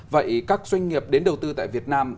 vậy các doanh nghiệp đến đầu tư tại việt nam